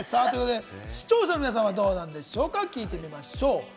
視聴者の皆さんはどうなんでしょうか、聞いてみましょう。